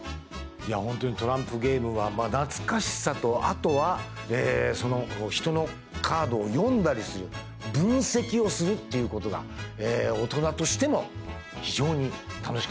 本当にトランプゲームは懐かしさとあとは人のカードを読んだりする分析をするっていうことが大人としても非常に楽しかった。